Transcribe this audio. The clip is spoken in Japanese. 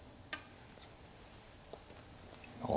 ああ。